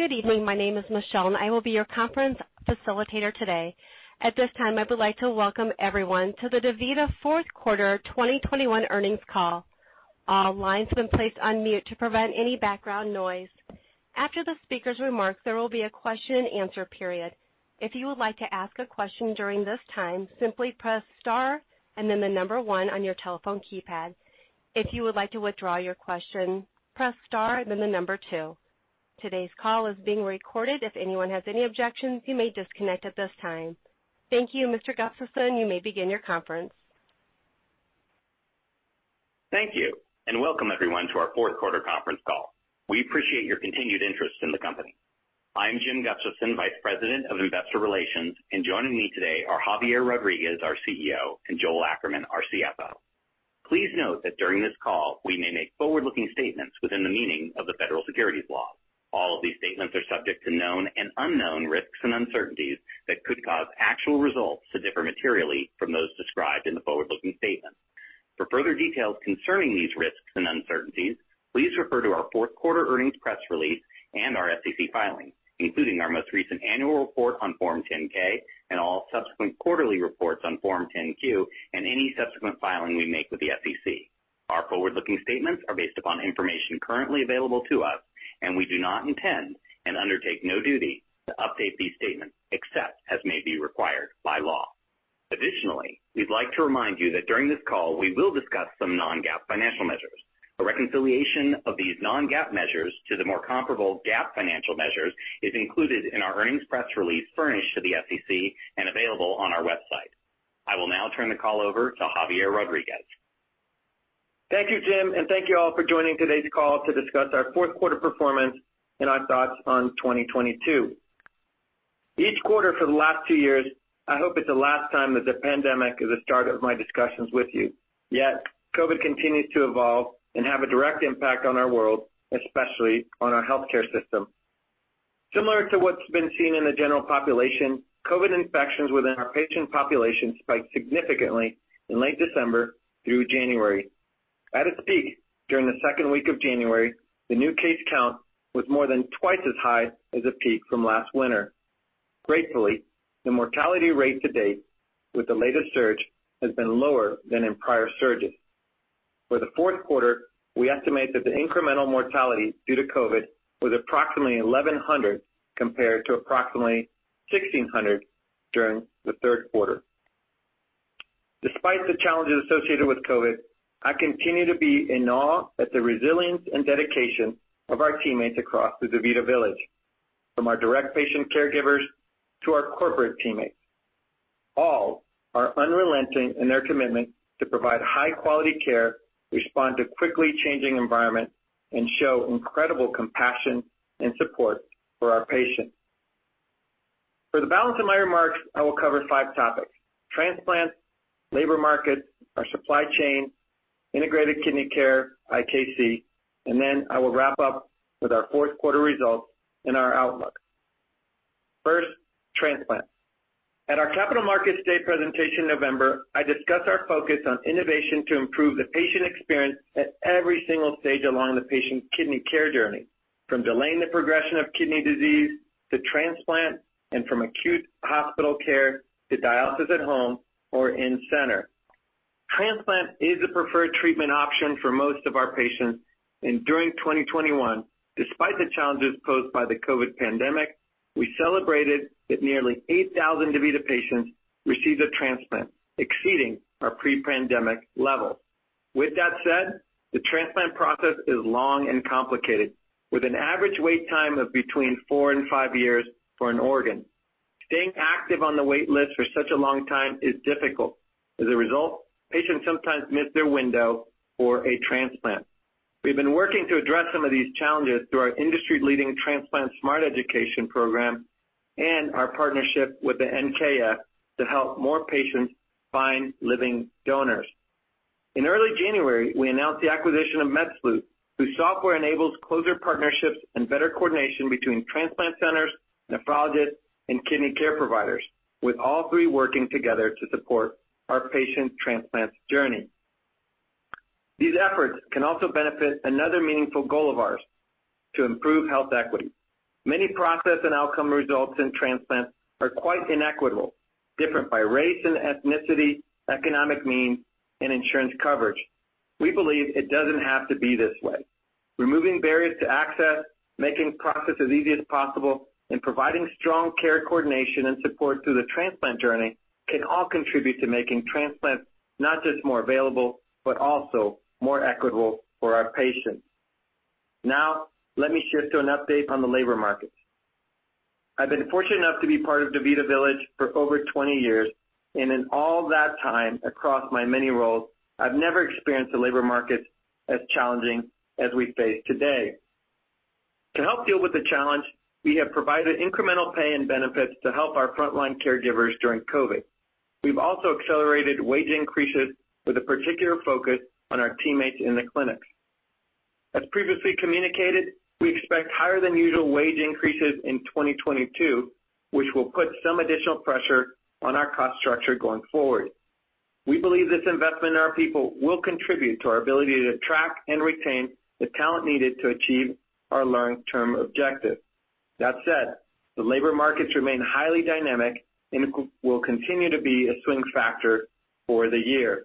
Good evening. My name is Michelle, and I will be your conference facilitator today. At this time, I would like to welcome everyone to the DaVita Q4 2021 earnings call. All lines have been placed on mute to prevent any background noise. After the speaker's remarks, there will be a question and answer period. If you would like to ask a question during this time, simply press star and then the number 1 on your telephone keypad. If you would like to withdraw your question, press star and then the number 2. Today's call is being recorded. If anyone has any objections, you may disconnect at this time. Thank you. Mr. Gustafson, you may begin your conference. Thank you, and welcome everyone to our Q4 conference call. We appreciate your continued interest in the company. I'm Jim Gustafson, Vice President of Investor Relations, and joining me today are Javier Rodriguez, our CEO, and Joel Ackerman, our CFO. Please note that during this call we may make forward-looking statements within the meaning of the federal securities law. All of these statements are subject to known and unknown risks and uncertainties that could cause actual results to differ materially from those described in the forward-looking statements. For further details concerning these risks and uncertainties, please refer to our Q4 earnings press release and our SEC filings, including our most recent annual report on Form 10-K and all subsequent quarterly reports on Form 10-Q and any subsequent filing we make with the SEC. Our forward-looking statements are based upon information currently available to us, and we do not intend and undertake no duty to update these statements except as may be required by law. Additionally, we'd like to remind you that during this call we will discuss some non-GAAP financial measures. A reconciliation of these non-GAAP measures to the more comparable GAAP financial measures is included in our earnings press release furnished to the SEC and available on our website. I will now turn the call over to Javier Rodriguez. Thank you, Jim, and thank you all for joining today's call to discuss our Q4 performance and our thoughts on 2022. Each quarter for the last two years, I hope it's the last time that the pandemic is the start of my discussions with you. Yet COVID continues to evolve and have a direct impact on our world, especially on our healthcare system. Similar to what's been seen in the general population, COVID infections within our patient population spiked significantly in late December through January. At its peak during the second week of January, the new case count was more than twice as high as the peak from last winter. Gratefully, the mortality rate to date with the latest surge has been lower than in prior surges. For the Q4, we estimate that the incremental mortality due to COVID was approximately 1,100 compared to approximately 1,600 during the Q3. Despite the challenges associated with COVID, I continue to be in awe at the resilience and dedication of our teammates across the DaVita Village, from our direct patient caregivers to our corporate teammates. All are unrelenting in their commitment to provide high-quality care, respond to quickly changing environment, and show incredible compassion and support for our patients. For the balance of my remarks, I will cover five topics. Transplants, labor market, our supply chain, integrated kidney care, IKC, and then I will wrap up with our Q4 results and our outlook. First, transplants. At our Capital Markets Day presentation in November, I discussed our focus on innovation to improve the patient experience at every single stage along the patient's kidney care journey, from delaying the progression of kidney disease to transplant and from acute hospital care to dialysis at home or in center. Transplant is a preferred treatment option for most of our patients. During 2021, despite the challenges posed by the COVID pandemic, we celebrated that nearly 8,000 DaVita patients received a transplant, exceeding our pre-pandemic level. With that said, the transplant process is long and complicated, with an average wait time of between four-five years for an organ. Staying active on the wait list for such a long time is difficult. As a result, patients sometimes miss their window for a transplant. We've been working to address some of these challenges through our industry-leading Transplant Smart education program and our partnership with the NKF to help more patients find living donors. In early January, we announced the acquisition of MedSleuth, whose software enables closer partnerships and better coordination between transplant centers, nephrologists, and kidney care providers, with all three working together to support our patient transplant journey. These efforts can also benefit another meaningful goal of ours, to improve health equity. Many process and outcome results in transplants are quite inequitable, different by race and ethnicity, economic means, and insurance coverage. We believe it doesn't have to be this way. Removing barriers to access, making process as easy as possible, and providing strong care coordination and support through the transplant journey can all contribute to making transplants not just more available, but also more equitable for our patients. Now let me shift to an update on the labor market. I've been fortunate enough to be part of DaVita Village for over 20 years, and in all that time, across my many roles, I've never experienced the labor market as challenging as we face today. To help deal with the challenge, we have provided incremental pay and benefits to help our frontline caregivers during COVID. We've also accelerated wage increases with a particular focus on our teammates in the clinics. As previously communicated, we expect higher increases in 2022, which will put some additional pressure on our cost structure going forward. We believe this investment in our people will contribute to our ability to attract and retain the talent needed to achieve our long-term objectives. That said, the labor markets remain highly dynamic and will continue to be a swing factor for the year.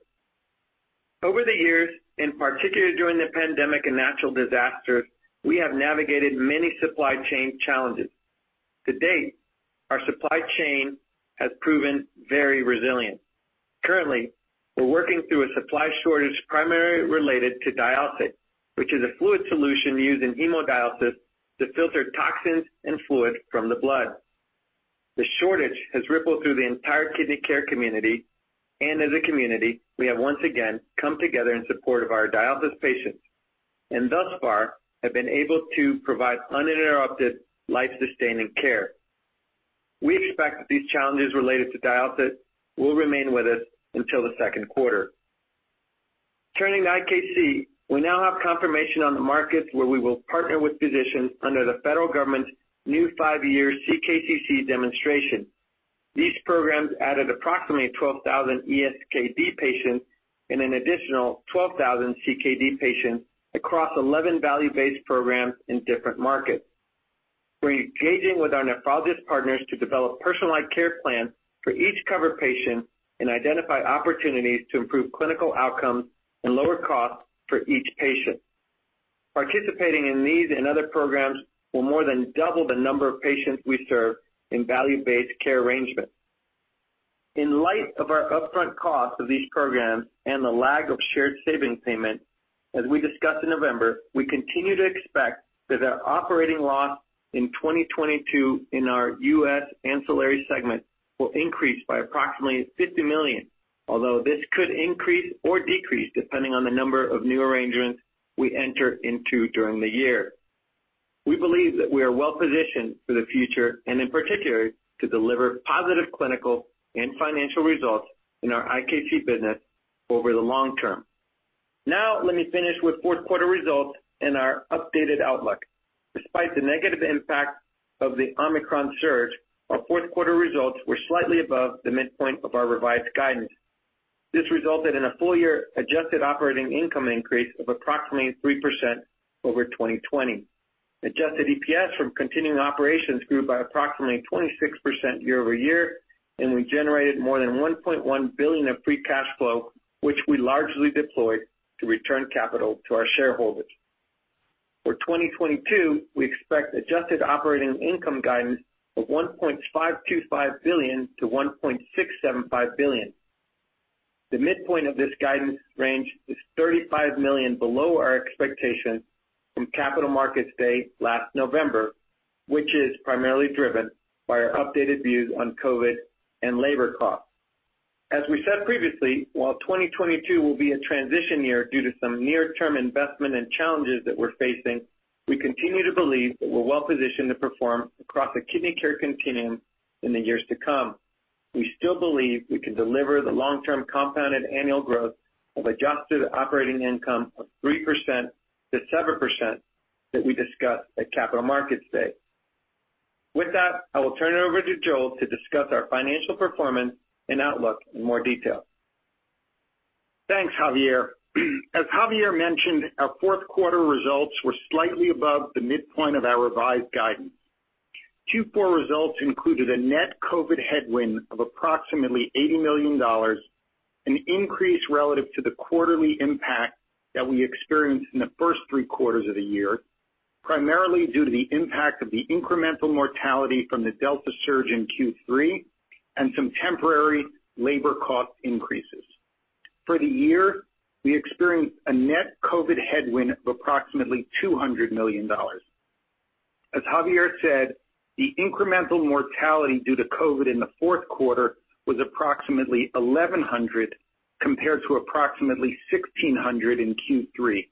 Over the years, in particular during the pandemic and natural disasters, we have navigated many supply chain challenges. To date, our supply chain has proven very resilient. Currently, we're working through a supply shortage primarily related to dialysate, which is a fluid solution used in hemodialysis to filter toxins and fluid from the blood. The shortage has rippled through the entire kidney care community, and as a community, we have once again come together in support of our dialysis patients, and thus far have been able to provide uninterrupted life-sustaining care. We expect that these challenges related to dialysate will remain with us until the Q2. Turning to IKC, we now have confirmation on the markets where we will partner with physicians under the federal government's new five-year CKCC demonstration. These programs added approximately 12,000 ESKD patients and an additional 12,000 CKD patients across 11 value-based programs in different markets. We're engaging with our nephrologist partners to develop personalized care plans for each covered patient and identify opportunities to improve clinical outcomes and lower costs for each patient. Participating in these and other programs will more than double the number of patients we serve in value-based care arrangements. In light of our upfront costs of these programs and the lag of shared savings payment, as we discussed in November, we continue to expect that our operating loss in 2022 in our U.S. ancillary segment will increase by approximately $50 million. Although this could increase or decrease depending on the number of new arrangements we enter into during the year. We believe that we are well-positioned for the future, and in particular, to deliver positive clinical and financial results in our IKC business over the long term. Now, let me finish with Q4 results and our updated outlook. Despite the negative impact of the Omicron surge, our Q4 results were slightly above the midpoint of our revised guidance. This resulted in a full-year adjusted operating income increase of approximately 3% over 2020. Adjusted EPS from continuing operations grew by approximately 26% year over year, and we generated more than $1.1 billion of free cash flow, which we largely deployed to return capital to our shareholders. For 2022, we expect adjusted operating income guidance of $1.525 billion-$1.675 billion. The midpoint of this guidance range is $35 million below our expectations from Capital Markets Day last November, which is primarily driven by our updated views on COVID and labor costs. As we said previously, while 2022 will be a transition year due to some near-term investment and challenges that we're facing, we continue to believe that we're well-positioned to perform across the kidney care continuum in the years to come. We still believe we can deliver the long-term compounded annual growth of adjusted operating income of 3%-7% that we discussed at Capital Markets Day. With that, I will turn it over to Joel to discuss our financial performance and outlook in more detail. Thanks, Javier. As Javier mentioned, our Q4 results were slightly above the midpoint of our revised guidance. Q4 results included a net COVID headwind of approximately $80 million, an increase relative to the quarterly impact that we experienced in the first three quarters of the year, primarily due to the impact of the incremental mortality from the Delta surge in Q3 and some temporary labor cost increases. For the year, we experienced a net COVID headwind of approximately $200 million. As Javier said, the incremental mortality due to COVID in the Q4 was approximately 1,100 compared to approximately 1,600 in Q3.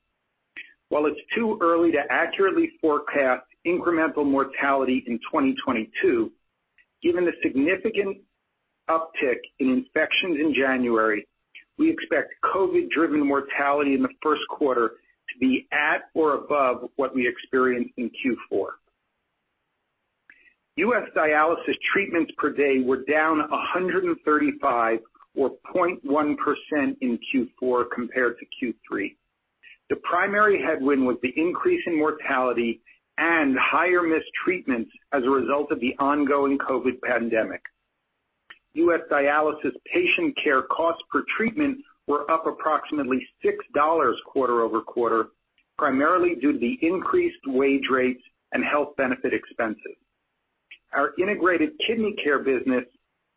While it's too early to accurately forecast incremental mortality in 2022, given the significant uptick in infections in January, we expect COVID-driven mortality in the Q1 to be at or above what we experienced in Q4. U.S. dialysis treatments per day were down 135 or 0.1% in Q4 compared to Q3. The primary headwind was the increase in mortality and higher missed treatments as a result of the ongoing COVID pandemic. U.S. dialysis patient care costs per treatment were up approximately $6 quarter-over-quarter, primarily due to the increased wage rates and health benefit expenses. Our Integrated Kidney Care business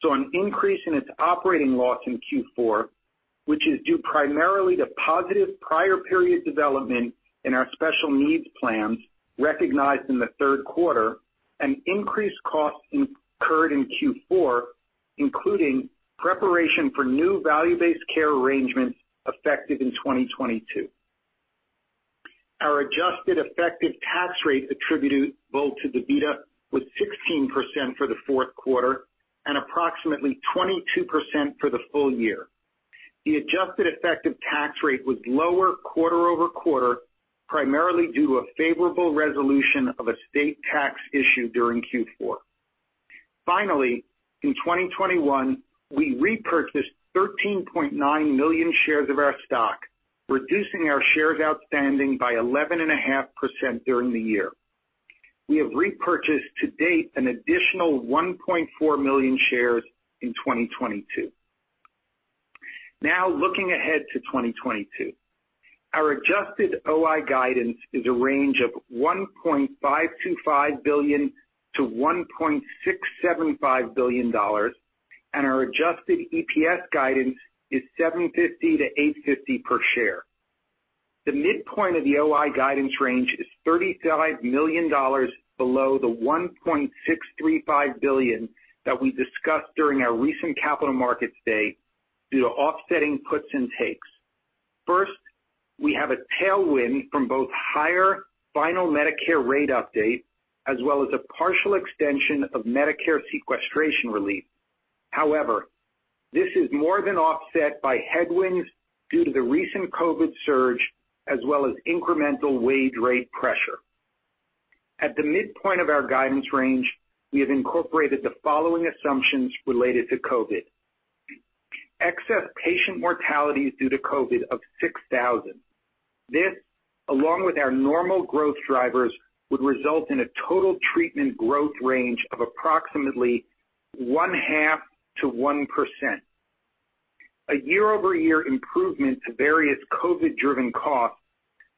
saw an increase in its operating loss in Q4, which is due primarily to positive prior period development in our Special Needs Plans recognized in the Q3 and increased costs incurred in Q4, including preparation for new value-based care arrangements effective in 2022. Our adjusted effective tax rate attributable to DaVita was 16% for the Q4 and approximately 22% for the full year. The adjusted effective tax rate was lower quarter-over-quarter, primarily due to a favorable resolution of a state tax issue during Q4. Finally, in 2021, we repurchased 13.9 million shares of our stock, reducing our shares outstanding by 11.5% during the year. We have repurchased to date an additional 1.4 million shares in 2022. Now looking ahead to 2022. Our adjusted OI guidance is a range of $1.525 billion-$1.675 billion, and our adjusted EPS guidance is $7.50-$8.50 per share. The midpoint of the OI guidance range is $35 million below the $1.635 billion that we discussed during our recent Capital Markets Day due to offsetting puts and takes. First, we have a tailwind from both higher final Medicare rate updates as well as a partial extension of Medicare sequestration relief. However, this is more than offset by headwinds due to the recent COVID surge as well as incremental wage rate pressure. At the midpoint of our guidance range, we have incorporated the following assumptions related to COVID. Excess patient mortalities due to COVID of 6,000. This, along with our normal growth drivers, would result in a total treatment growth range of approximately 0.5%-1%. A year-over-year improvement to various COVID-driven costs,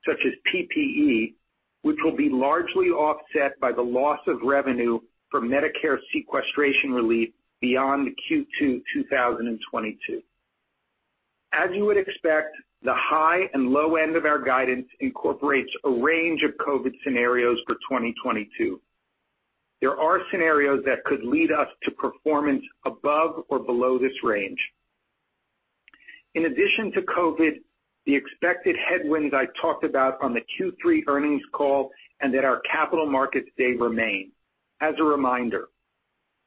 such as PPE, which will be largely offset by the loss of revenue from Medicare sequestration relief beyond Q2 2022. As you would expect, the high and low end of our guidance incorporates a range of COVID scenarios for 2022. There are scenarios that could lead us to performance above or below this range. In addition to COVID, the expected headwinds I talked about on the Q3 earnings call and at our Capital Markets Day remain. As a reminder,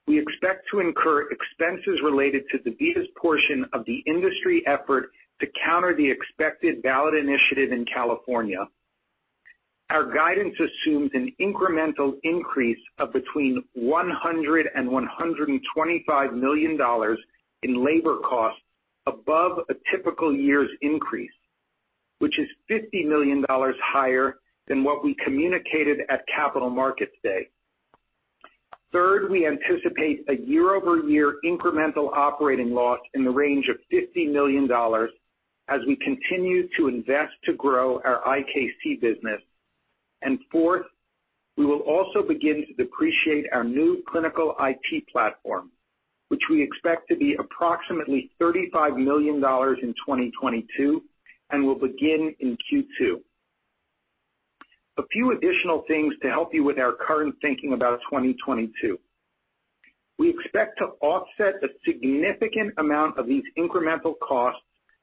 we expect to incur expenses related to DaVita's portion of the industry effort to counter the expected ballot initiative in California. Our guidance assumes an incremental increase of between $100 million and $125 million in labor costs above a typical year's increase, which is $50 million higher than what we communicated at Capital Markets Day. Third, we anticipate a year-over-year incremental operating loss in the range of $50 million as we continue to invest to grow our IKC business. Fourth, we will also begin to depreciate our new clinical IT platform, which we expect to be approximately $35 million in 2022 and will begin in Q2. A few additional things to help you with our current thinking about 2022. We expect to offset a significant amount of these incremental costs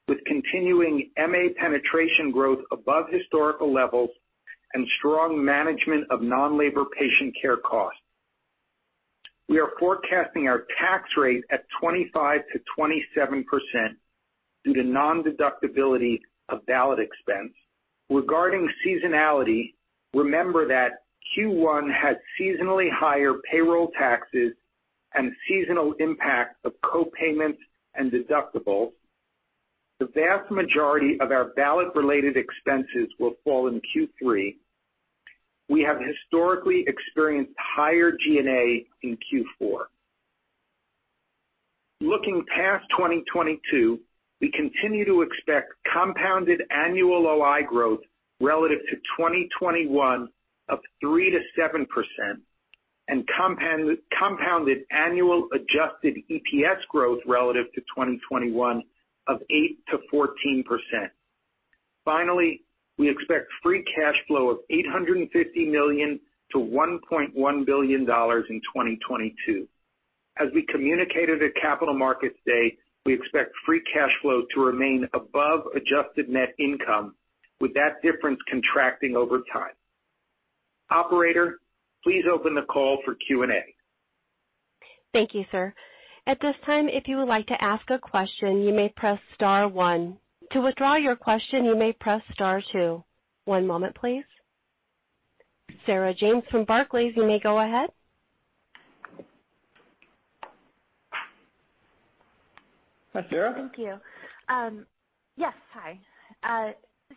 with continuing MA penetration growth above historical levels and strong management of non-labor patient care costs. We are forecasting our tax rate at 25%-27% due to nondeductibility of ballot expense. Regarding seasonality, remember that Q1 had seasonally higher payroll taxes and seasonal impact of co-payments and deductibles. The vast majority of our ballot-related expenses will fall in Q3. We have historically experienced higher G&A in Q4. Looking past 2022, we continue to expect compounded annual OI growth relative to 2021 of 3%-7% and compounded annual adjusted EPS growth relative to 2021 of 8%-14%. Finally, we expect free cash flow of $850 million-$1.1 billion in 2022. As we communicated at Capital Markets Day, we expect free cash flow to remain above adjusted net income, with that difference contracting over time. Operator, please open the call for Q&A. Thank you, sir. At this time, if you would like to ask a question, you may press star one. To withdraw your question, you may press star two. One moment please. Sarah James from Barclays, you may go ahead. Hi, Sarah. Thank you. Yes, hi.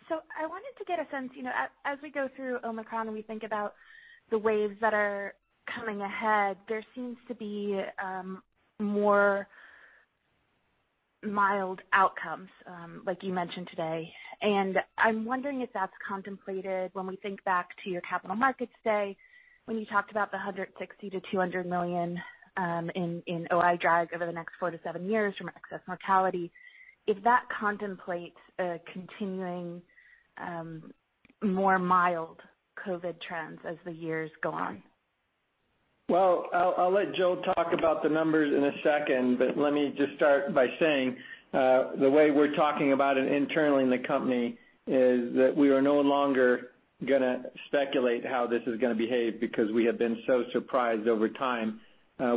So I wanted to get a sense as we go through Omicron, we think about the waves that are coming ahead. There seems to be more mild outcomes, like you mentioned today. I'm wondering if that's contemplated when we think back to your Capital Markets Day, when you talked about the $160 million-$200 million in OI drag over the next four-seven years from excess mortality, if that contemplates a continuing more mild COVID trends as the years go on? Well, I'll let Joel talk about the numbers in a second, but let me just start by saying, the way we're talking about it internally in the company is that we are no longer gonna speculate how this is gonna behave because we have been so surprised over time.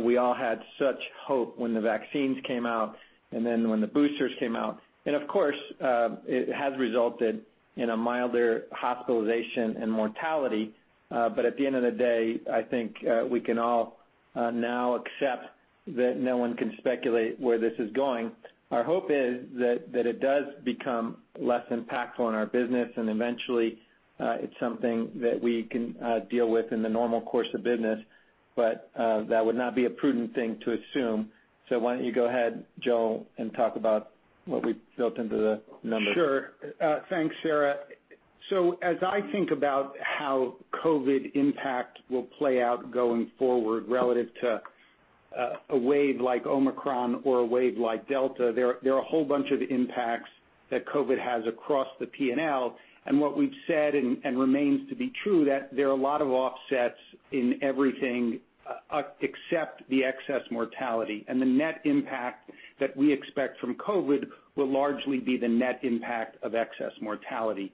We all had such hope when the vaccines came out and then when the boosters came out. Of course, it has resulted in a milder hospitalization and mortality. At the end of the day, I think, we can all now accept that no one can speculate where this is going. Our hope is that it does become less impactful on our business and eventually, it's something that we can deal with in the normal course of business. That would not be a prudent thing to assume. Why don't you go ahead, Joel, and talk about what we've built into the numbers? Sure. Thanks, Sarah. As I think about how COVID impact will play out going forward relative to a wave like Omicron or a wave like Delta, there are a whole bunch of impacts that COVID has across the P&L. What we've said and remains to be true, that there are a lot of offsets in everything except the excess mortality. The net impact that we expect from COVID will largely be the net impact of excess mortality.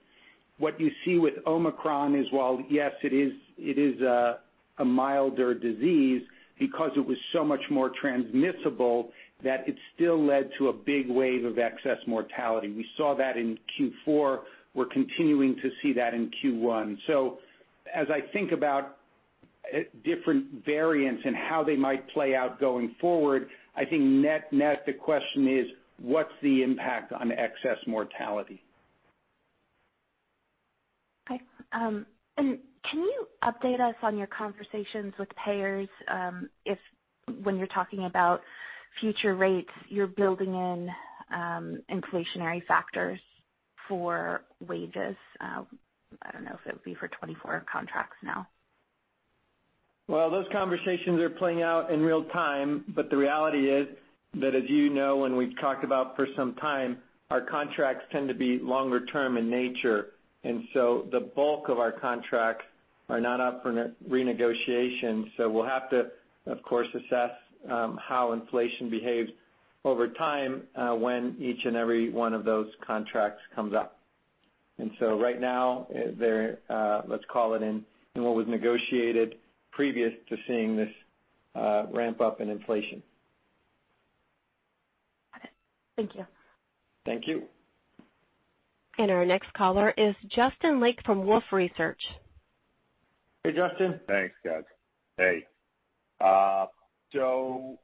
What you see with Omicron is while, yes, it is a milder disease because it was so much more transmissible that it still led to a big wave of excess mortality. We saw that in Q4. We're continuing to see that in Q1. As I think about different variants and how they might play out going forward, I think net-net the question is what's the impact on excess mortality? Okay. Can you update us on your conversations with payers, if when you're talking about future rates you're building in inflationary factors for wages? I don't know if it would be for 24 contracts now. Well, those conversations are playing out in real time, but the reality is that as you know, and we've talked about for some time, our contracts tend to be longer term in nature, and so the bulk of our contracts are not up for re-negotiation. We'll have to, of course, assess how inflation behaves over time when each and every one of those contracts comes up. Right now, they're let's call it in what was negotiated previous to seeing this ramp up in inflation. Got it. Thank you. Thank you. Our next caller is Justin Lake from Wolfe Research. Hey, Justin. Thanks, guys. Hey.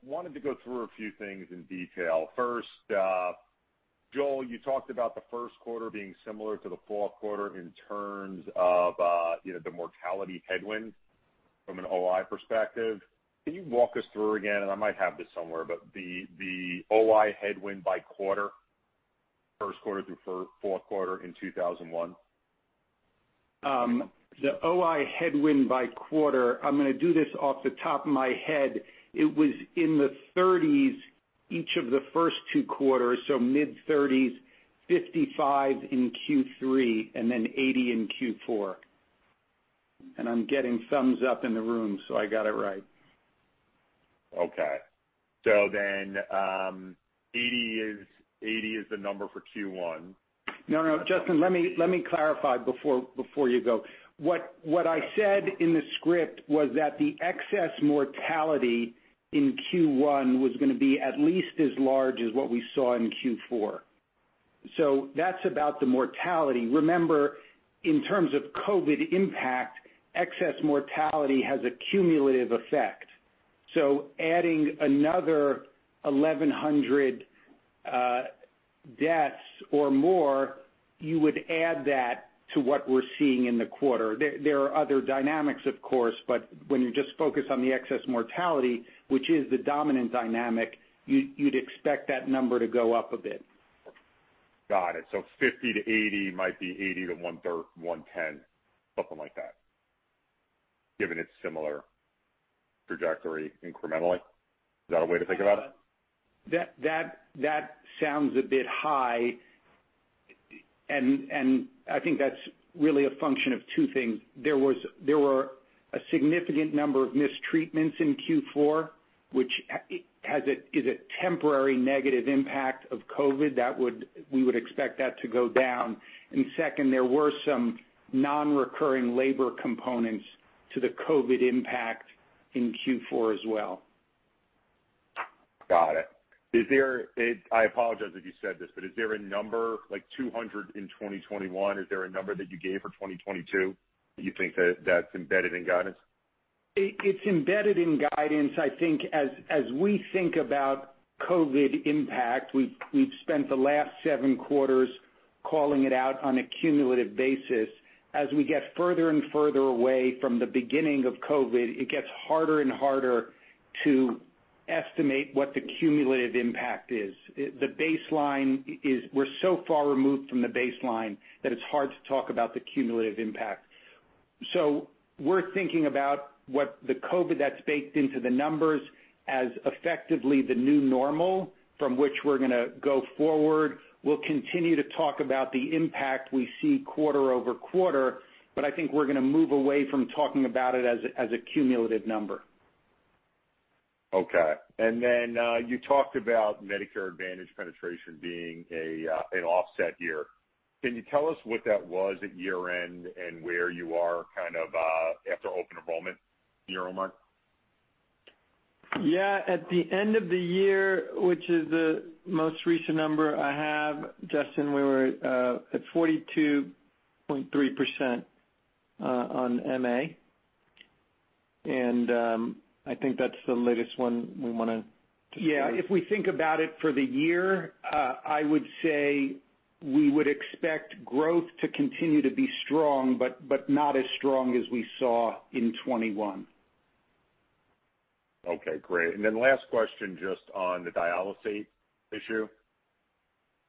Wanted to go through a few things in detail. First, Joel, you talked about the Q1 being similar to the Q4 in terms of the mortality headwind from an OI perspective. Can you walk us through again, and I might have this somewhere, but the OI headwind by quarter, Q1 through Q4 in 2021? The OI headwind by quarter, I'm gonna do this off the top of my head. It was in the 30s each of the first two quarters, so mid-30s, 55 in Q3, and then 80 in Q4. I'm getting thumbs up in the room, so I got it right. 80 is the number for Q1. No, Justin, let me clarify before you go. What I said in the script was that the excess mortality in Q1 was gonna be at least as large as what we saw in Q4. That's about the mortality. Remember, in terms of COVID impact, excess mortality has a cumulative effect. Adding another 1,100 deaths or more, you would add that to what we're seeing in the quarter. There are other dynamics of course, but when you just focus on the excess mortality, which is the dominant dynamic, you'd expect that number to go up a bit. Got it. 50-80, might be 80-130, 110, something like that, given its similar trajectory incrementally. Is that a way to think about it? That sounds a bit high. I think that's really a function of two things. There were a significant number of missed treatments in Q4, which is a temporary negative impact of COVID. We would expect that to go down. Second, there were some non-recurring labor components to the COVID impact in Q4 as well. Got it. Is there—I apologize if you said this, but is there a number like 200 in 2021? Is there a number that you gave for 2022 that you think that that's embedded in guidance? It's embedded in guidance. I think as we think about COVID impact, we've spent the last seven quarters calling it out on a cumulative basis. As we get further and further away from the beginning of COVID, it gets harder and harder to estimate what the cumulative impact is. The baseline is we're so far removed from the baseline that it's hard to talk about the cumulative impact. We're thinking about what the COVID that's baked into the numbers as effectively the new normal from which we're gonna go forward. We'll continue to talk about the impact we see quarter-over-quarter, but I think we're gonna move away from talking about it as a cumulative number. Okay. You talked about Medicare Advantage penetration being an offset year. Can you tell us what that was at year-end and where you are kind of after Open Enrollment, year-over-month? Yeah. At the end of the year, which is the most recent number I have, Justin, we were at 42.3% on MA. I think that's the latest one we wanna display. Yeah. If we think about it for the year, I would say we would expect growth to continue to be strong, but not as strong as we saw in 2021. Okay, great. Last question just on the dialysis issue.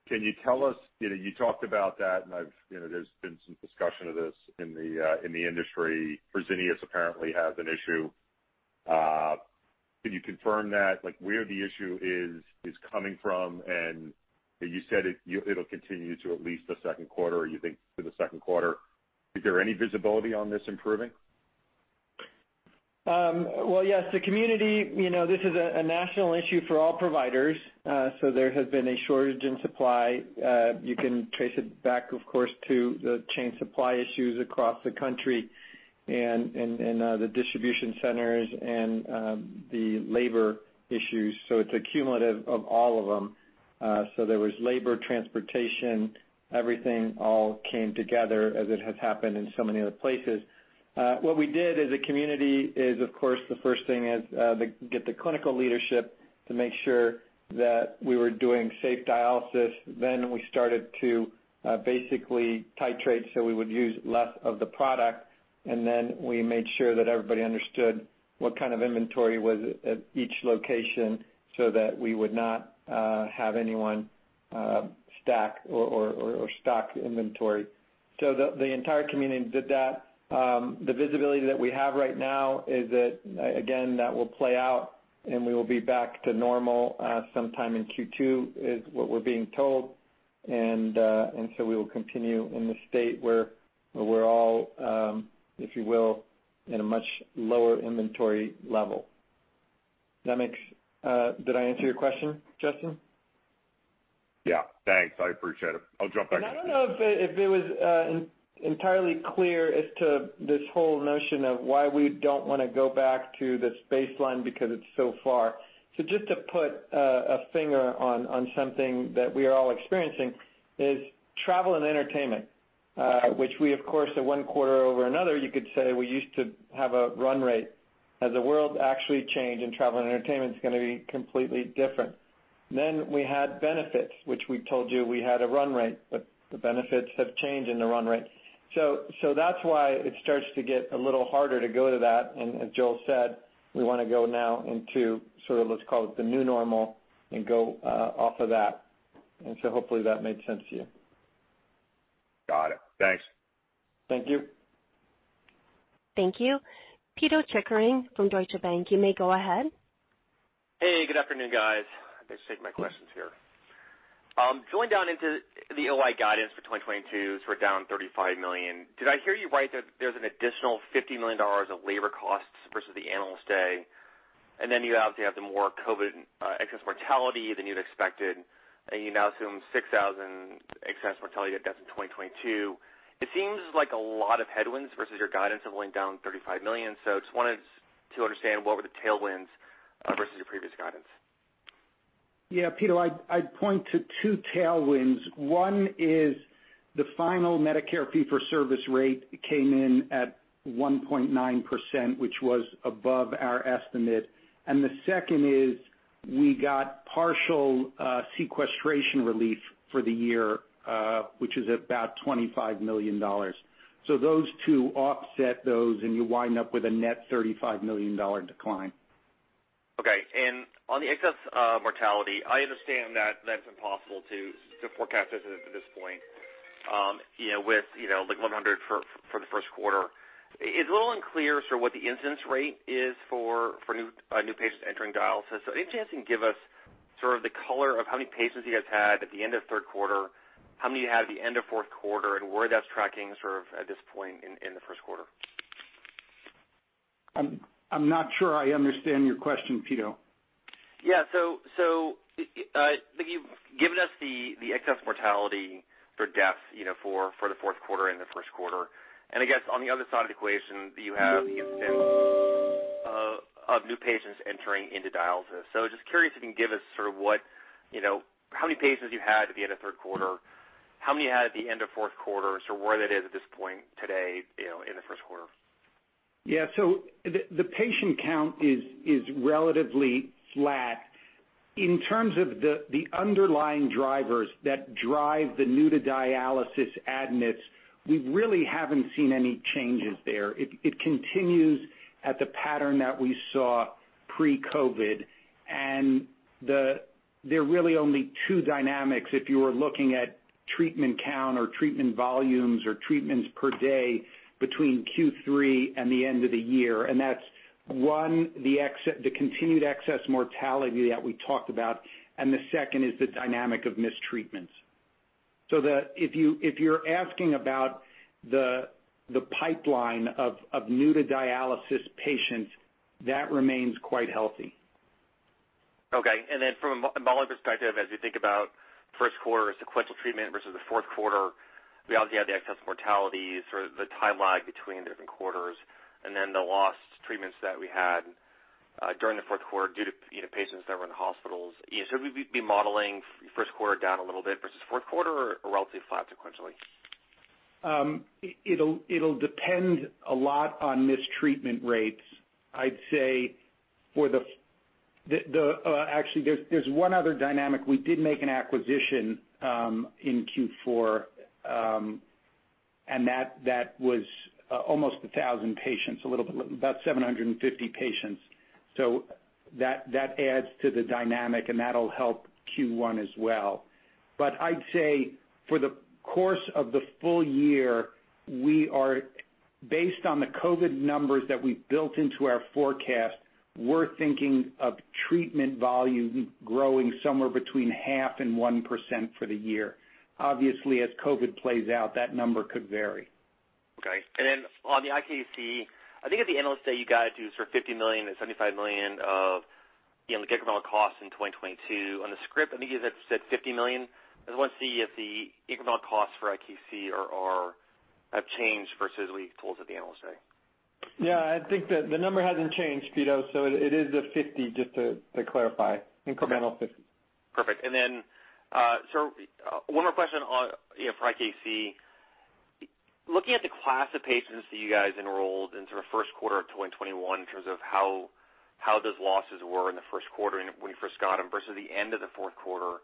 Can you tell us you talked about that and i've there's been some discussion of this in the industry. Fresenius apparently has an issue. Can you confirm that, like, where the issue is coming from? You said it'll continue to at least the Q2 or you think through the Q2. Is there any visibility on this improving? Well, yes, the community this is a national issue for all providers. There has been a shortage in supply. You can trace it back, of course, to the supply chain issues across the country and the distribution centers and the labor issues. It's a cumulative of all of them. There was labor, transportation, everything all came together as it has happened in so many other places. What we did as a community is, of course, the first thing is to get the clinical leadership to make sure that we were doing safe dialysis. We started to basically titrate, so we would use less of the product. We made sure that everybody understood what kind of inventory was at each location so that we would not have anyone stack or stock inventory. The entire community did that. The visibility that we have right now is that again that will play out and we will be back to normal sometime in Q2 is what we're being told. We will continue in the state where we're all if you will in a much lower inventory level. Did I answer your question, Justin? Yeah. Thanks. I appreciate it. I'll jump back- I don't know if it was entirely clear as to this whole notion of why we don't wanna go back to this baseline because it's so far. So just to put a finger on something that we are all experiencing is travel and entertainment, which we of course at one quarter over another, you could say we used to have a run rate. As the world actually change, and travel and entertainment's gonna be completely different. Then we had benefits, which we told you we had a run rate, but the benefits have changed in the run rate. So that's why it starts to get a little harder to go to that. As Joel said, we wanna go now into sort of, let's call it the new normal, and go off of that. So hopefully that made sense to you. Got it. Thanks. Thank you. Thank you. Pito Chickering from Deutsche Bank, you may go ahead. Hey, good afternoon, guys. Let me just take my questions here. Drilling down into the OI guidance for 2022, sort of down $35 million. Did I hear you right that there's an additional $50 million of labor costs versus the Analyst Day? And then you obviously have the more COVID excess mortality than you'd expected, and you now assume 6,000 excess mortality deaths in 2022. It seems like a lot of headwinds versus your guidance of only down $35 million. Just wanted to understand what were the tailwinds versus your previous guidance. Yeah, Pito, I'd point to two tailwinds. One is the final Medicare fee-for-service rate came in at 1.9%, which was above our estimate. The second is we got partial sequestration relief for the year, which is about $25 million. Those two offset those, and you wind up with a net $35 million dollar decline. Okay. On the excess mortality, I understand that that's impossible to forecast as of this point. You know, with you know, like 100 for the Q1. It's a little unclear sort of what the incidence rate is for new patients entering dialysis. Any chance you can give us sort of the color of how many patients you guys had at the end of Q3, how many you had at the end of Q4, and where that's tracking sort of at this point in the Q1? I'm not sure I understand your question, Peter. Yeah. Like you've given us the excess mortality for deaths for the Q4 and the Q1. I guess on the other side of the equation, you have the incidence of new patients entering into dialysis. Just curious if you can give us sort of what how many patients you had at the end of Q3, how many you had at the end of Q4, and sort of where that is at this point today in the Q1. Yeah. So the patient count is relatively flat. In terms of the underlying drivers that drive the new to dialysis admits, we really haven't seen any changes there. It continues at the pattern that we saw pre-COVID. There are really only two dynamics if you are looking at treatment count or treatment volumes or treatments per day between Q3 and the end of the year. That's one, the continued excess mortality that we talked about, and the second is the dynamic of missed treatments. That if you're asking about the pipeline of new to dialysis patients, that remains quite healthy. Okay. From a model perspective, as you think about Q1 sequential treatment versus the Q4, we obviously had the excess mortalities or the time lag between different quarters and then the lost treatments that we had during the Q4 due to patients that were in hospitals. Should we be modeling Q1 down a little bit versus Q4 or relatively flat sequentially? It'll depend a lot on treatment rates. I'd say for the, actually, there's one other dynamic. We did make an acquisition in Q4, and that was almost 1000 patients, a little bit, about 750 patients. So that adds to the dynamic, and that'll help Q1 as well. I'd say for the course of the full year, we are based on the COVID numbers that we've built into our forecast, we're thinking of treatment volume growing somewhere between 0.5% and 1% for the year. Obviously, as COVID plays out, that number could vary. Okay. On the IKC, I think at the Analyst Day, you guys do sort of $50 million-$75 million of the incremental cost in 2022. On the script, I think you guys said $50 million. I just want to see if the incremental costs for IKC have changed versus what you told at the Analyst Day. Yeah, I think the number hasn't changed, Peter. It is the 50, just to clarify. Incremental 50. Perfect. One more question on for IKC. Looking at the class of patients that you guys enrolled into the Q1 of 2021 in terms of how those losses were in the Q1 when you first got them versus the end of the Q4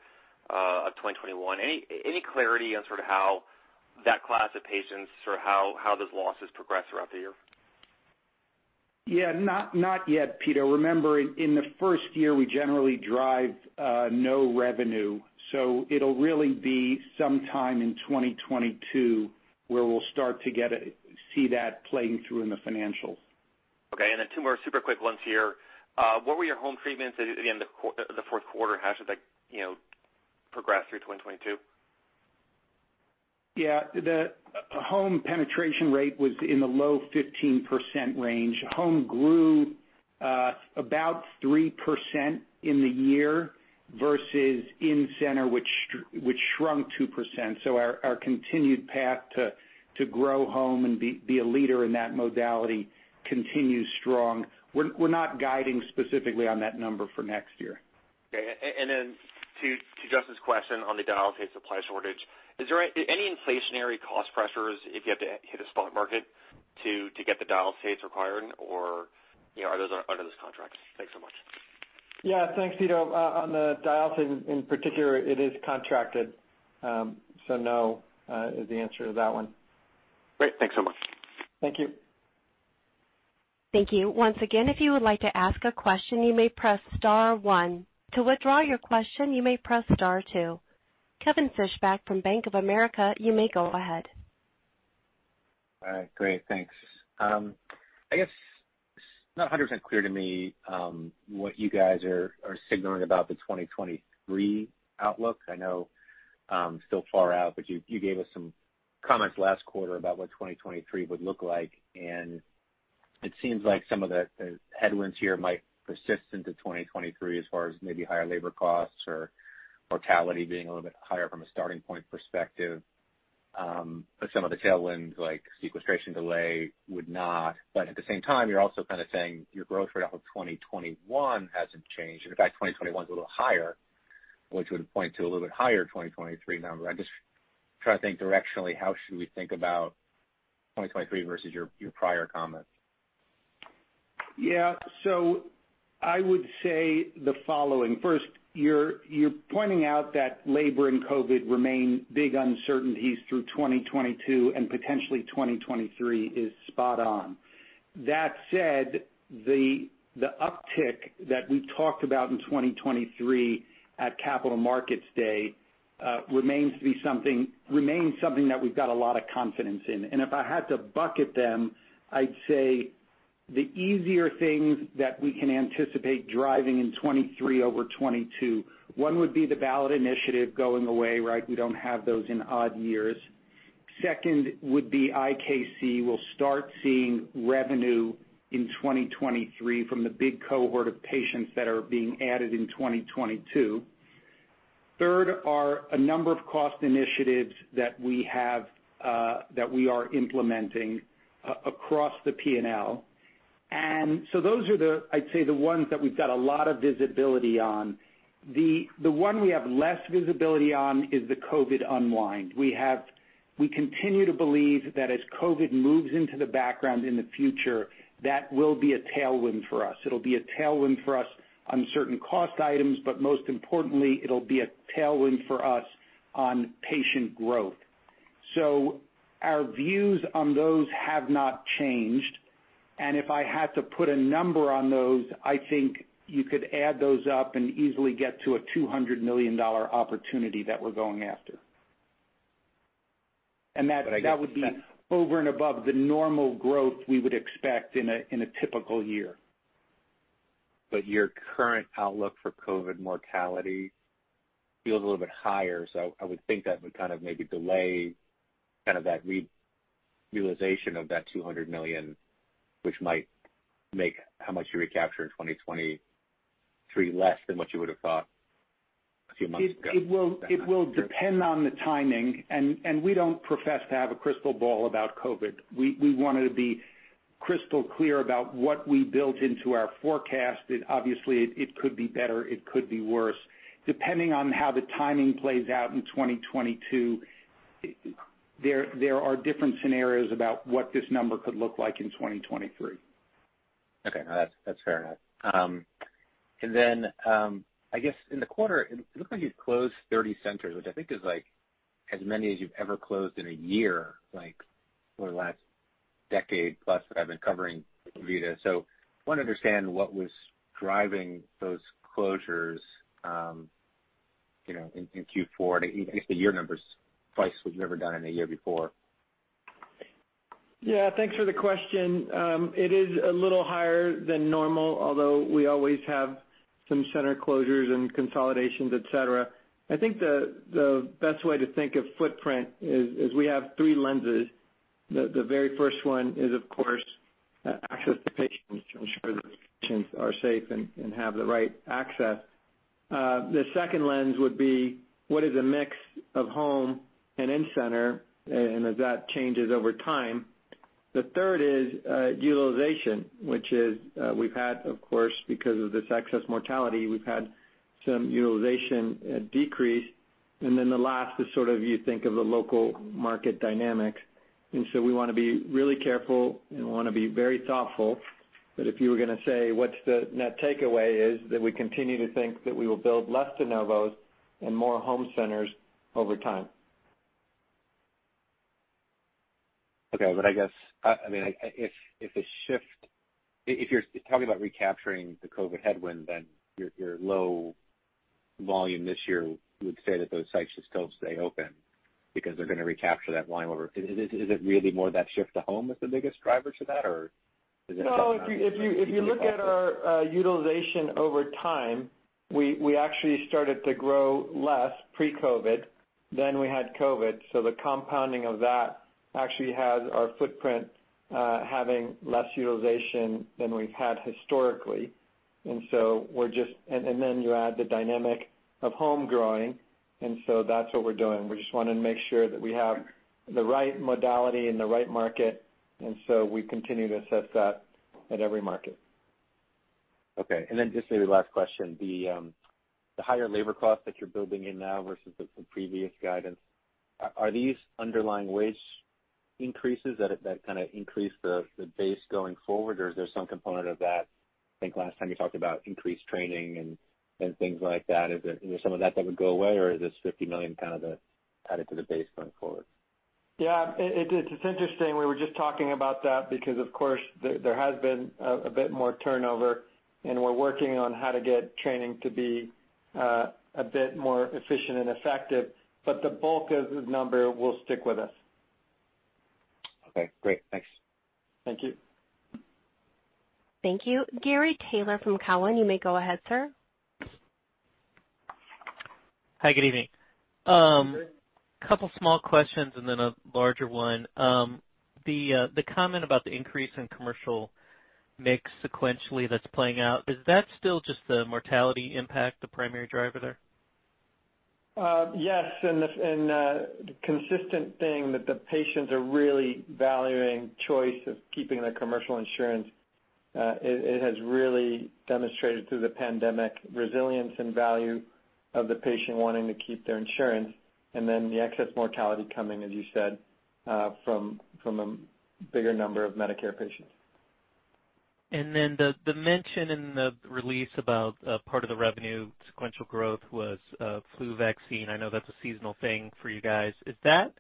of 2021, any clarity on sort of how that class of patients or how those losses progress throughout the year? Yeah. Not yet, Peter. Remember, in the first year, we generally derive no revenue, so it'll really be sometime in 2022 where we'll start to see that playing through in the financials. Okay. Two more super quick ones here. What were your home treatments at the end of the Q4? How should they progress through 2022? Yeah. The home penetration rate was in the low 15% range. Home grew about 3% in the year versus in-center, which shrunk 2%. Our continued path to grow home and be a leader in that modality continues strong. We're not guiding specifically on that number for next year. Okay. Then to Justin's question on the dialysate supply shortage, is there any inflationary cost pressures if you have to hit a spot market to get the dialysates required or are those under this contract? Thanks so much. Yeah. Thanks, Peter. On the dialysate in particular, it is contracted. No is the answer to that one. Great. Thanks so much. Thank you. Thank you. Once again, if you would like to ask a question, you may press star one. To withdraw your question, you may press star two. Kevin Fischbeck from Bank of America, you may go ahead. All right. Great. Thanks. I guess it's not 100% clear to me what you guys are signaling about the 2023 outlook. I know, still far out, but you gave us some comments last quarter about what 2023 would look like, and it seems like some of the headwinds here might persist into 2023 as far as maybe higher labor costs or mortality being a little bit higher from a starting point perspective. Some of the tailwinds, like sequestration delay, would not. At the same time, you're also kind of saying your growth rate of 2021 hasn't changed. In fact, 2021 is a little higher, which would point to a little bit higher 2023 number. I'm just trying to think directionally, how should we think about 2023 versus your prior comments? I would say the following. First, you're pointing out that labor and COVID remain big uncertainties through 2022 and potentially 2023 is spot on. That said, the uptick that we talked about in 2023 at Capital Markets Day remains something that we've got a lot of confidence in. If I had to bucket them, I'd say the easier things that we can anticipate driving in 2023 over 2022, one would be the ballot initiative going away, right? We don't have those in odd years. Second would be IKC. We'll start seeing revenue in 2023 from the big cohort of patients that are being added in 2022. Third are a number of cost initiatives that we have that we are implementing across the P&L. Those are the, I'd say, the ones that we've got a lot of visibility on. The one we have less visibility on is the COVID unwind. We continue to believe that as COVID moves into the background in the future, that will be a tailwind for us. It'll be a tailwind for us on certain cost items, but most importantly, it'll be a tailwind for us on patient growth. Our views on those have not changed. If I had to put a number on those, I think you could add those up and easily get to a $200 million opportunity that we're going after. That- I guess. That would be over and above the normal growth we would expect in a typical year. Your current outlook for COVID mortality feels a little bit higher. I would think that would kind of maybe delay kind of that realization of that $200 million, which might make how much you recapture in 2023 less than what you would have thought a few months ago. It will depend on the timing, and we don't profess to have a crystal ball about COVID. We wanted to be crystal clear about what we built into our forecast. Obviously, it could be better, it could be worse. Depending on how the timing plays out in 2022, there are different scenarios about what this number could look like in 2023. Okay. No, that's fair enough. I guess in the quarter, it looks like you've closed 30 centers, which I think is like as many as you've ever closed in a year, like for the last decade plus that I've been covering DaVita. Wanna understand what was driving those closures in Q4. I guess the year numbers, twice what you've ever done in a year before. Yeah. Thanks for the question. It is a little higher than normal, although we always have some center closures and consolidations, et cetera. I think the best way to think of footprint is we have three lenses. The very first one is, of course, access to patients to ensure that patients are safe and have the right access. The second lens would be what is the mix of home and in-center, and as that changes over time. The third is utilization, which is we've had of course, because of this excess mortality, we've had some utilization decrease. Then the last is sort of you think of the local market dynamics. We wanna be really careful, and we wanna be very thoughtful. If you were gonna say what's the net takeaway is that we continue to think that we will build less de novos and more home centers over time. Okay. I guess, I mean, if you're talking about recapturing the COVID headwind, then your low volume this year would say that those sites should still stay open because they're gonna recapture that volume over. Is it really more that shift to home that's the biggest driver to that, or is it something else? No, if you look at our utilization over time, we actually started to grow less pre-COVID. Then we had COVID, so the compounding of that actually has our footprint having less utilization than we've had historically. We're just, and then you add the dynamic of home growing, and so that's what we're doing. We just wanna make sure that we have the right modality and the right market, and so we continue to assess that at every market. Okay. Just maybe last question. The higher labor cost that you're building in now versus the previous guidance, are these underlying wage increases that kind of increase the base going forward, or is there some component of that? I think last time you talked about increased training and things like that. Is it some of that would go away, or is this $50 million kind of added to the base going forward? Yeah. It's interesting. We were just talking about that because, of course, there has been a bit more turnover, and we're working on how to get training to be a bit more efficient and effective. The bulk of the number will stick with us. Okay, great. Thanks. Thank you. Thank you. Gary Taylor from Cowen, you may go ahead, sir. Hi, good evening. Good evening. Couple small questions and then a larger one. The comment about the increase in commercial mix sequentially that's playing out, is that still just the mortality impact, the primary driver there? Yes. The consistent thing that the patients are really valuing choice of keeping their commercial insurance, it has really demonstrated through the pandemic resilience and value of the patient wanting to keep their insurance, and then the excess mortality coming, as you said, from a bigger number of Medicare patients. The mention in the release about part of the revenue sequential growth was flu vaccine. I know that's a seasonal thing for you guys. Is that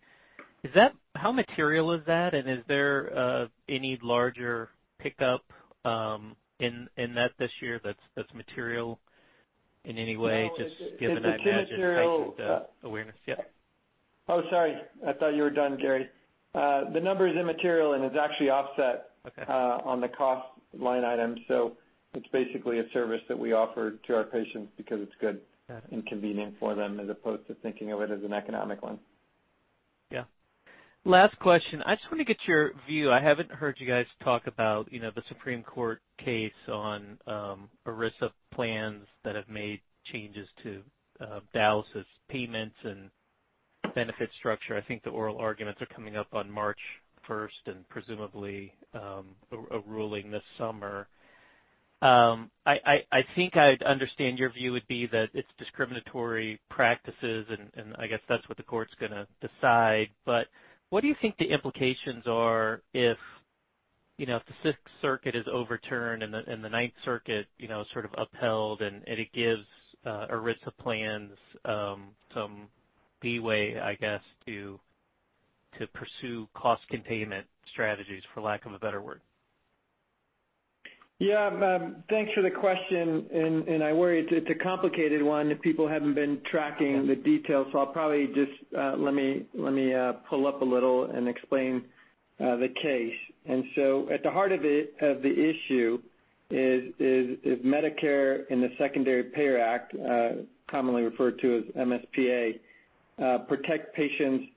how material is that? Is there any larger pickup in that this year that's material in any way? No, it's- Just to give an idea, just heightens the awareness. Yeah. Oh, sorry. I thought you were done, Gary. The number is immaterial, and it's actually offset- Okay. on the cost line item. It's basically a service that we offer to our patients because it's good Got it. Convenient for them as opposed to thinking of it as an economic one. Yeah. Last question. I just wanna get your view. I haven't heard you guys talk about the Supreme Court case on ERISA plans that have made changes to dialysis payments and benefit structure. I think the oral arguments are coming up on March first and presumably a ruling this summer. I think I'd understand your view would be that it's discriminatory practices and I guess that's what the court's gonna decide. But what do you think the implications are if if the Sixth Circuit is overturned and the Ninth Circuit you know sort of upheld and it gives ERISA plans some leeway, I guess, to pursue cost containment strategies, for lack of a better word? Yeah. Thanks for the question and I worry it's a complicated one if people haven't been tracking. Okay. the details. I'll probably just pull up a little and explain the case. At the heart of it, of the issue is if the Medicare Secondary Payer Act, commonly referred to as MSPA, protect patients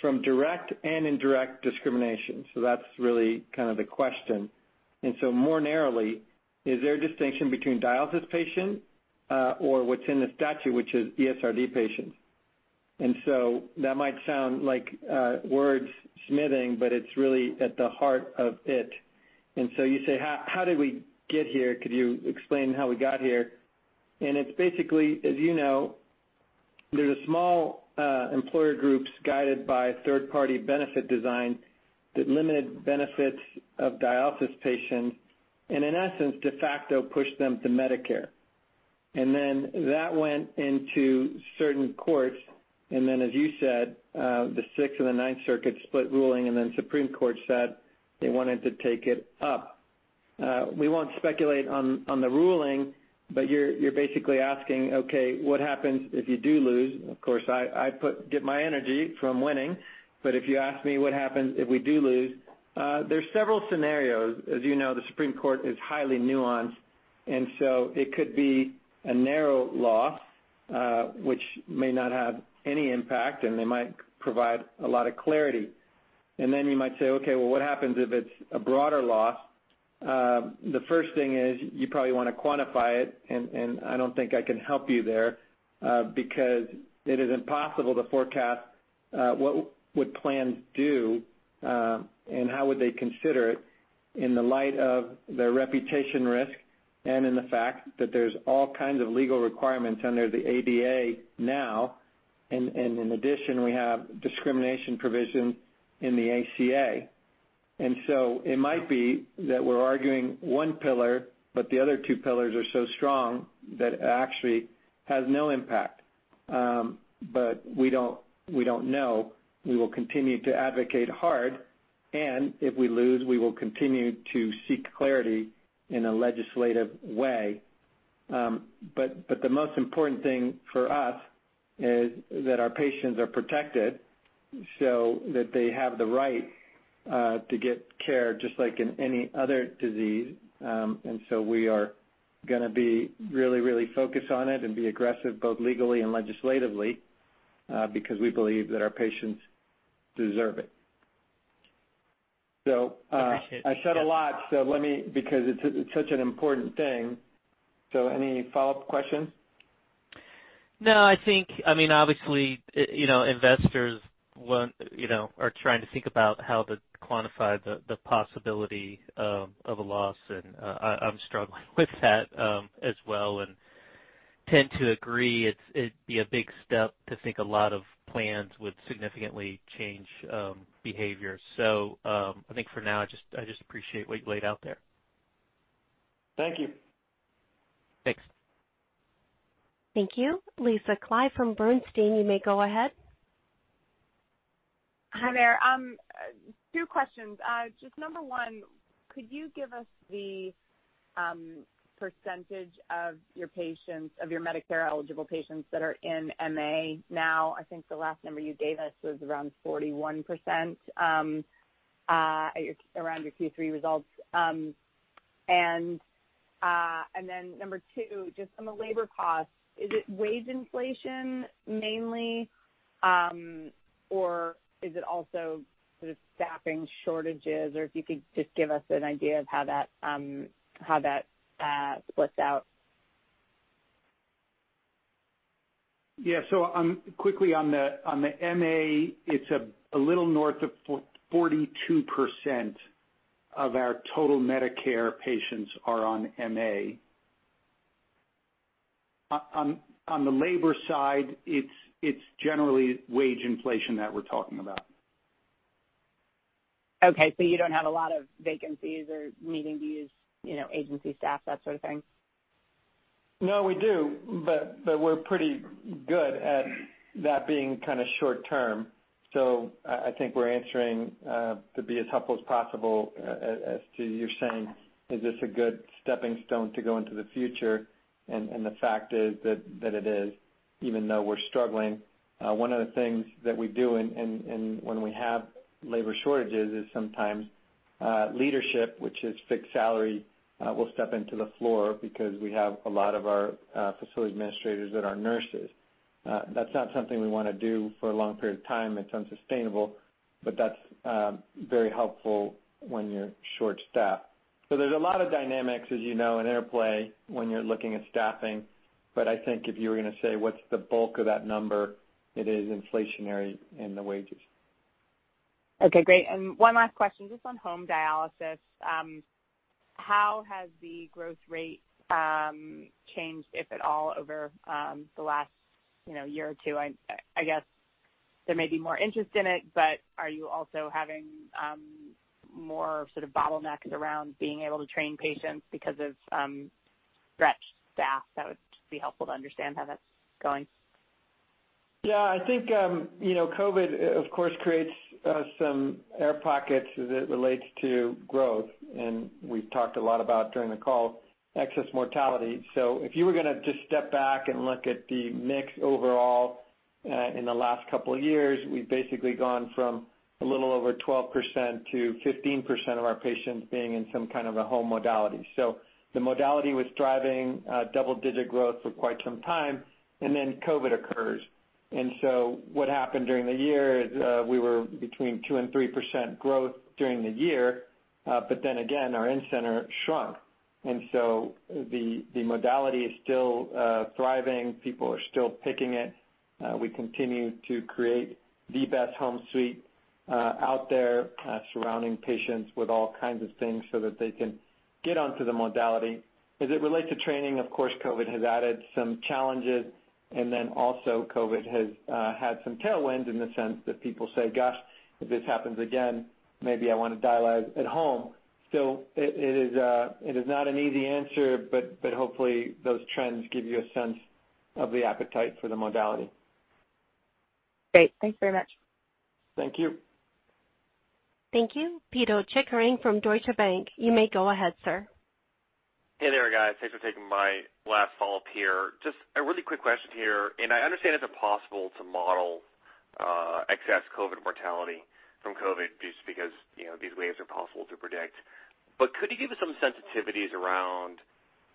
from direct and indirect discrimination. That's really kind of the question. More narrowly, is there a distinction between dialysis patient or what's in the statute, which is ESRD patients? That might sound like word smithing, but it's really at the heart of it. You say, "How did we get here? Could you explain how we got here?" It's basically, as you know, there's a small employer groups guided by third-party benefit design that limited benefits of dialysis patients and in essence, de facto, pushed them to Medicare. that went into certain courts, and then as you said, the Sixth and the Ninth Circuit split ruling, and then Supreme Court said they wanted to take it up. We won't speculate on the ruling, but you're basically asking, okay, what happens if you do lose? Of course, I get my energy from winning. If you ask me what happens if we do lose, there's several scenarios. As you know, the Supreme Court is highly nuanced, and so it could be a narrow loss, which may not have any impact, and they might provide a lot of clarity. Then you might say, "Okay, well, what happens if it's a broader loss?" The first thing is you probably wanna quantify it, and I don't think I can help you there, because it is impossible to forecast what would plans do, and how would they consider it in the light of their reputation risk and in the fact that there's all kinds of legal requirements under the ADA now, and in addition, we have discrimination provision in the ACA. It might be that we're arguing one pillar, but the other two pillars are so strong that it actually has no impact. But we don't know. We will continue to advocate hard, and if we lose, we will continue to seek clarity in a legislative way. The most important thing for us is that our patients are protected so that they have the right to get care just like in any other disease. We are gonna be really, really focused on it and be aggressive both legally and legislatively because we believe that our patients deserve it. Appreciate the- I said a lot, so let me, because it's such an important thing. Any follow-up questions? No, I think, I mean, obviously investors want are trying to think about how to quantify the possibility of a loss, and I'm struggling with that as well and tend to agree it's, it'd be a big step to think a lot of plans would significantly change behavior. I think for now I just appreciate what you laid out there. Thank you. Thanks. Thank you. Lisa Clive from Bernstein, you may go ahead. Hi there. 2 questions. Just number 1, could you give us the percentage of your patients, of your Medicare-eligible patients that are in MA now? I think the last number you gave us was around 41%, around your Q3 results. Number 2, just on the labor costs, is it wage inflation mainly, or is it also sort of staffing shortages? Or if you could just give us an idea of how that splits out. Yeah. Quickly on the MA, it's a little north of 42% of our total Medicare patients are on MA. On the labor side, it's generally wage inflation that we're talking about. Okay, you don't have a lot of vacancies or needing to use agency staff, that sort of thing? No, we do, but we're pretty good at that being kind of short term. I think we're answering to be as helpful as possible as to you're saying, is this a good stepping stone to go into the future? The fact is that it is, even though we're struggling. One of the things that we do and when we have labor shortages is sometimes leadership, which is fixed salary, will step into the floor because we have a lot of our facility administrators that are nurses. That's not something we wanna do for a long period of time. It's unsustainable, but that's very helpful when you're short-staffed. There's a lot of dynamics, as you know, in payroll when you're looking at staffing, but I think if you were gonna say, what's the bulk of that number, it is inflationary in the wages. Okay, great. One last question, just on home dialysis. How has the growth rate changed, if at all, over the last year or two? I guess there may be more interest in it, but are you also having more sort of bottlenecks around being able to train patients because of stretched staff? That would be helpful to understand how that's going. Yeah. I think you know COVID of course creates some air pockets as it relates to growth, and we've talked a lot about excess mortality during the call. If you were gonna just step back and look at the mix overall, in the last couple of years, we've basically gone from a little over 12% to 15% of our patients being in some kind of a home modality. The modality was driving double-digit growth for quite some time, and then COVID occurs. What happened during the year is we were between 2% and 3% growth during the year, but then again, our in-center shrunk. The modality is still thriving. People are still picking it. We continue to create the best home suite out there, surrounding patients with all kinds of things so that they can get onto the modality. As it relates to training, of course, COVID has added some challenges, and then also COVID has had some tailwinds in the sense that people say, "Gosh, if this happens again, maybe I wanna dialyze at home." It is not an easy answer, but hopefully those trends give you a sense of the appetite for the modality. Great. Thanks very much. Thank you. Thank you. Pito Chickering from Deutsche Bank. You may go ahead, sir. Hey there, guys. Thanks for taking my last follow-up here. Just a really quick question here, and I understand it's impossible to model excess COVID mortality from COVID just because these waves are impossible to predict. Could you give us some sensitivities around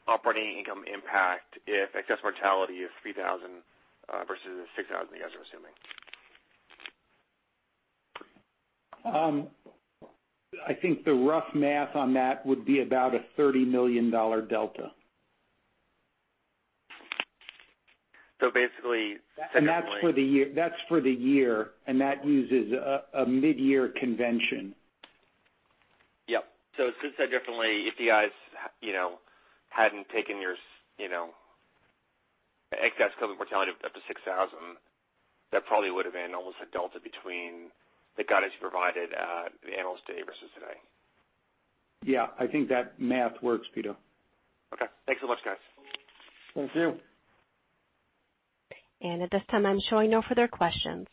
operating income impact if excess mortality is 3,000 versus the 6,000 you guys are assuming? I think the rough math on that would be about a $30 million delta. Basically. That's for the year, and that uses a mid-year convention. Yep. Since that definitely, if the guys hadn't taken your excess COVID mortality up to 6,000, that probably would've been almost a delta between the guidance you provided at the Analyst Day versus today. Yeah. I think that math works, Peter. Okay. Thanks so much, guys. Thank you. At this time, I'm showing no further questions.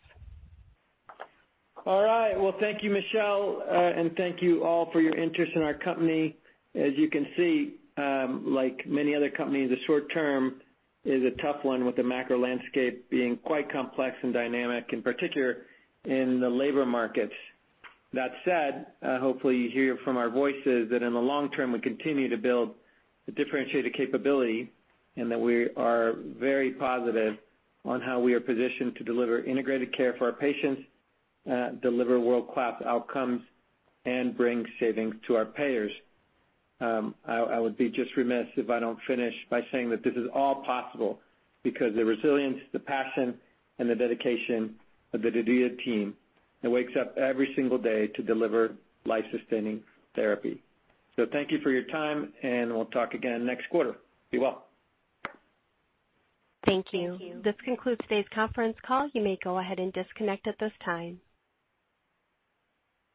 All right. Well, thank you, Michelle. And thank you all for your interest in our company. As you can see, like many other companies, the short term is a tough one with the macro landscape being quite complex and dynamic, in particular in the labor markets. That said, hopefully you hear from our voices that in the long term, we continue to build a differentiated capability, and that we are very positive on how we are positioned to deliver integrated care for our patients, deliver world-class outcomes, and bring savings to our payers. I would be just remiss if I don't finish by saying that this is all possible because the resilience, the passion, and the dedication of the DaVita team that wakes up every single day to deliver life-sustaining therapy. Thank you for your time, and we'll talk again next quarter. Be well. Thank you. This concludes today's conference call. You may go ahead and disconnect at this time.